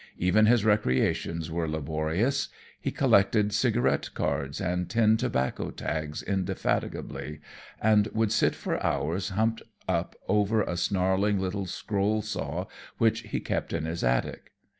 Even his recreations were laborious. He collected cigarette cards and tin tobacco tags indefatigably, and would sit for hours humped up over a snarling little scroll saw which he kept in his attic.